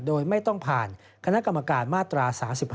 โดยไม่ต้องผ่านคณะกรรมการมาตรา๓๕